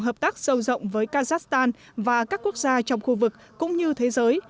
hợp tác sâu rộng với kazakhstan và các quốc gia trong khu vực cũng như thế giới